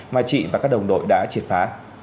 mà chị và các đồng đội đã triệt phá